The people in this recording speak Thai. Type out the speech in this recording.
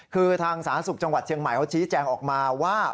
คือทางสาธารณสุขจังหวัดเชียงใหม่เขาชี้แจงออกมาว่า